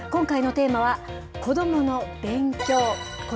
今回のテーマは、子どもの勉強。